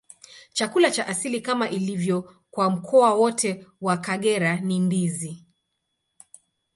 Chakula cha asili, kama ilivyo kwa mkoa wote wa Kagera, ni ndizi.